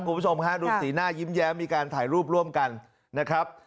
คุณผู้ชมฮะดูสีหน้ายิ้มแย้มมีการถ่ายรูปร่วมกันนะครับ